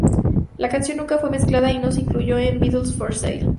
La canción nunca fue mezclada y no se incluyó en Beatles for Sale.